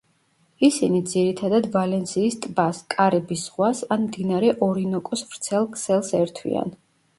ისინი ძირითადად ვალენსიის ტბას, კარიბის ზღვას ან მდინარე ორინოკოს ვრცელ ქსელს ერთვიან.